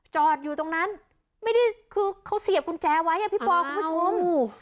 จอดอยู่ตรงนั้นเขาเสียบกุญแจไว้ให้พี่ปอคุณผู้ชม